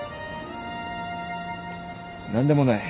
何でもない。